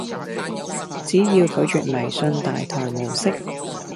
只要拒絕迷信大台模式